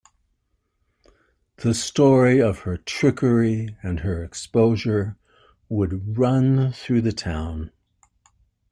The story of her trickery and her exposure would run through the town.